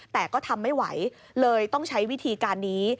แต่ก็ทำไม่ไหวเลยต้องใช้วิธีการนี้